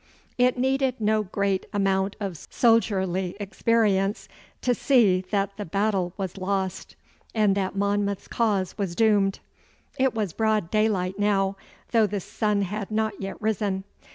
It needed no great amount of soldierly experience to see that the battle was lost, and that Monmouth's cause was doomed. It was broad daylight now, though the sun had not yet risen.